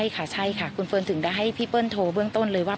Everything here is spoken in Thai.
ใช่ค่ะใช่ค่ะคุณเฟิร์นถึงได้ให้พี่เปิ้ลโทรเบื้องต้นเลยว่า